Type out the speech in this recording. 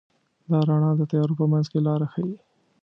دا رڼا د تیارو په منځ کې لاره ښيي.